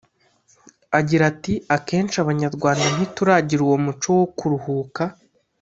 Agira ati “Akenshi abanyarwanda ntituragira uwo muco wo kuruhuka